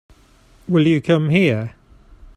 Will you come here?